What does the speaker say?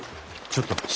ちょっとね。